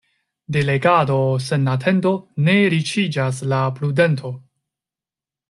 De legado sen atento ne riĉiĝas la prudento.